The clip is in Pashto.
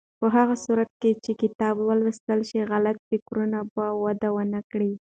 په هغه صورت کې چې کتاب ولوستل شي، غلط فکرونه به وده ونه کړي.